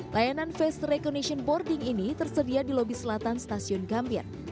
layanan face recognition boarding ini tersedia di lobi selatan stasiun gambir